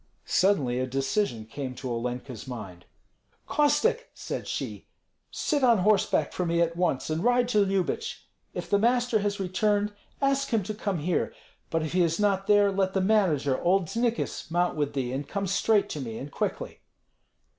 Suddenly a decision came to Olenka's mind. "Kostek!" said she, "sit on horseback for me at once, and ride to Lyubich. If the master has returned, ask him to come here; but if he is not there, let the manager, old Znikis, mount with thee and come straight to me, and quickly."